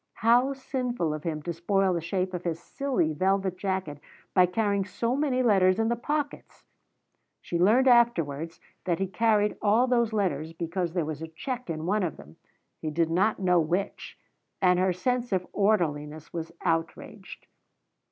How sinful of him to spoil the shape of his silly velvet jacket by carrying so many letters in the pockets! She learned afterwards that he carried all those letters because there was a check in one of them, he did not know which, and her sense of orderliness was outraged.